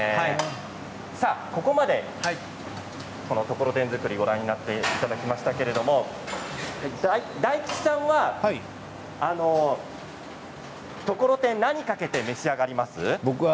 ここまでところてん作りをご覧になっていただきましたけれど大吉さんは、ところてん何をかけて召し上がりますか？